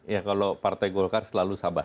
ya kalau partai golkar selalu sabar